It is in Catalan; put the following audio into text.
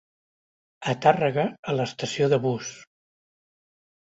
A Tàrrega a l'estació de bus.